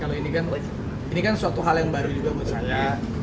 kalau ini kan suatu hal yang baru juga menurut saya